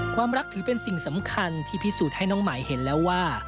ความรักถือเป็นสิ่งสำคัญที่พิสูจน์ให้น้องหมายเห็นแล้วว่า